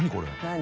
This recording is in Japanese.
何？